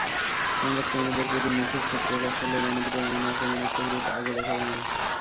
সংবাদকর্মীদের প্রতি মুখে ক্ষোভ প্রকাশ করলেও, রণবীরের এমন আক্রমণাত্মক রূপ আগে দেখা যায়নি।